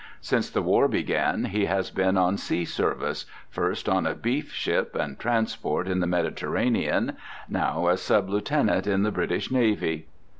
Since the war began he has been on sea service, first on a beef ship and transport in the Mediterranean, now as sub lieutenant in the British Navy.